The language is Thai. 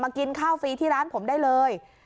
กินข้าวฟรีที่ร้านผมได้เลย